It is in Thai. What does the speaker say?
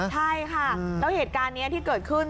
ใช่ค่ะแล้วเหตุการณ์นี้ที่เกิดขึ้น